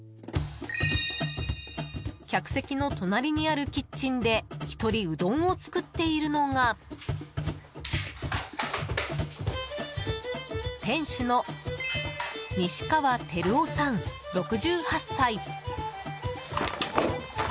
客席の隣にあるキッチンで一人、うどんを作っているのが店主の西川輝男さん、６８歳。